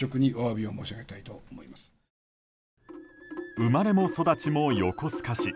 生まれも育ちも横須賀市。